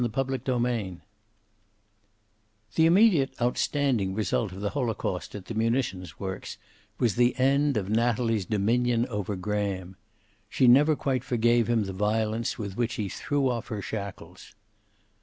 CHAPTER XLIV The immediate outstanding result of the holocaust at the munitions works was the end of Natalie's dominion aver Graham. She never quite forgave him the violence with which he threw off her shackles.